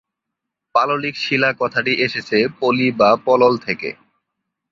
পাললিক শিলা কথাটি এসেছে 'পলি' বা 'পলল' থেকে।